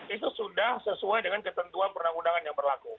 itu sudah sesuai dengan ketentuan perundang undangan yang berlaku